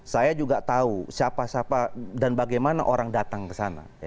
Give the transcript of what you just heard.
saya juga tahu siapa siapa dan bagaimana orang datang ke sana